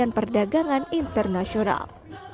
dan perdagangan internasional